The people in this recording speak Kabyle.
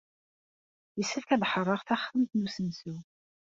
Yessefk ad ḥeṛṛeɣ taxxamt n usensu.